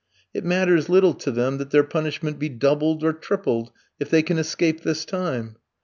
It matters little to them that their punishment be doubled or tripled, if they can escape this time.